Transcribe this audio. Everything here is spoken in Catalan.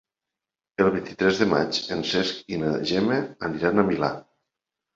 El vint-i-tres de maig en Cesc i na Gemma aniran al Milà.